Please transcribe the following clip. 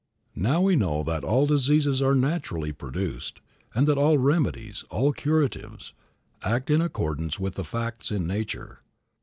Now we know that all diseases are naturally produced, and that all remedies, all curatives, act in accordance with the facts in nature.